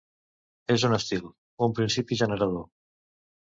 És un estil, un principi generador.